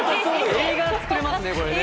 映画作れますねこれね。